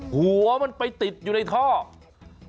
หัวมันไปติดอยู่ในท่อ